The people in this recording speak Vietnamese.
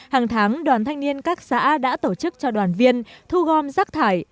hàng tháng đoàn thanh niên các xã đã tổ chức cho đoàn viên thu gom rác thải